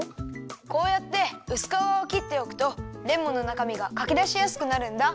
こうやってうすかわをきっておくとレモンのなかみがかきだしやすくなるんだ。